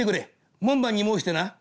門番に申してな」。